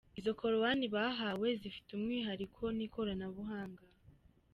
Izo korowani bahawe zifite umwihariko n’ikoranabuhanga.